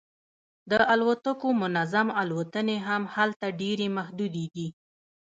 د الوتکو منظم الوتنې هم هلته ډیرې محدودې دي